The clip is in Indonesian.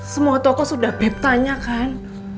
semua toko sudah pep tanya kan